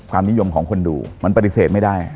นิยมของคนดูมันปฏิเสธไม่ได้